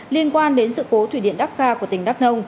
liên quan đến sự cố thủy điện đắk kha của tỉnh đắk nông